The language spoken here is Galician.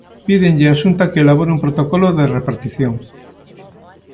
Pídenlle á Xunta que elabore un protocolo de repartición.